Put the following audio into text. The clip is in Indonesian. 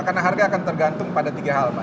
karena harga akan tergantung pada tiga hal